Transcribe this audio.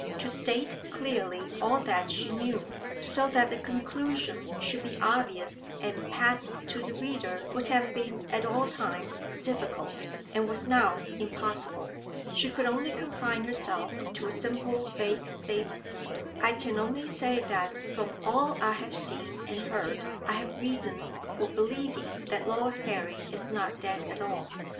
To state clearly all that she knew so that the conclusion should be obvious and patent to the reader would have been at all times difficult, and was now impossible. She could only confine herself to a simple vague statement. "I can only say that from all I have seen and heard I have reasons for believing that Lord Harry is not dead at all."